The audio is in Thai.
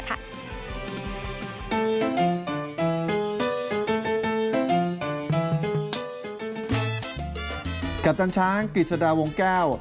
กัปตันช้างกิจสดาวงแก้ว